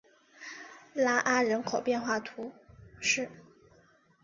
拉阿人口变化图示